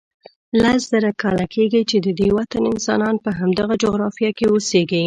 لس زره کاله کېږي چې ددې وطن انسانان په همدغه جغرافیه کې اوسیږي.